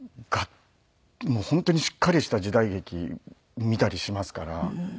もう本当にしっかりした時代劇見たりしますから。